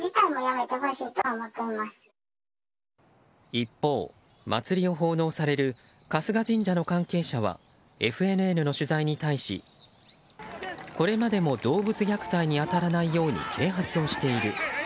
一方、祭りを奉納される春日神社の関係者はＦＮＮの取材に対し、これまでも動物虐待に当たらないように啓発をしている。